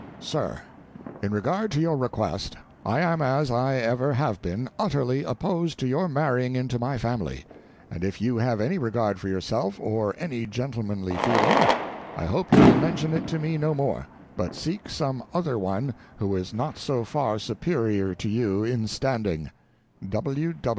Sir In regard to your request, I am as I ever have been, utterly opposed to your marrying into my family; and if you have any regard for yourself, or any gentlemanly feeling, I hope you will mention it to me no more; but seek some other one who is not so far superior to you in standing.